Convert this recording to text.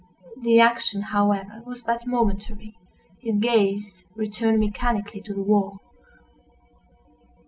The action, however, was but momentary, his gaze returned mechanically to the wall.